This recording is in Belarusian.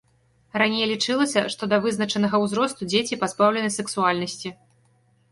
Раней лічылася, што да вызначанага ўзросту дзеці пазбаўлены сексуальнасці.